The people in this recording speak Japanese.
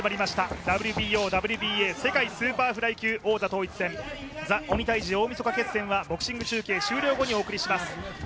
ＷＢＯ・ＷＢＡ世界スーパーフライ級王座統一戦、「ＴＨＥ鬼タイジ大晦日決戦」はボクシング中継終了後にお送りします。